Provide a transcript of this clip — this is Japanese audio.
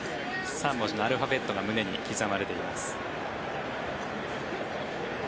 ３文字のアルファベットが胸に刻まれています。